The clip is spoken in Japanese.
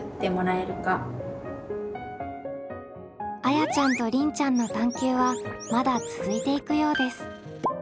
あやちゃんとりんちゃんの探究はまだ続いていくようです。